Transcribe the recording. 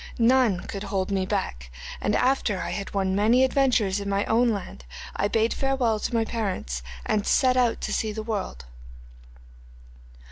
None could hold me back, and after I had won many adventures in my own land, I bade farewell to my parents and set out to see the world.